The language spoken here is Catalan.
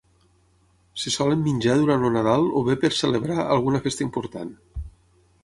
Se solen menjar durant el Nadal o bé per celebrar alguna festa important.